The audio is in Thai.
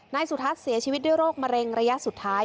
นายสุทัศน์เสียชีวิตด้วยโรคมะเร็งระยะสุดท้าย